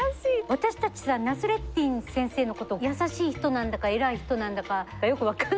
私たちさナスレッディン先生のことを優しい人なんだか偉い人なんだかよく分かんないのに。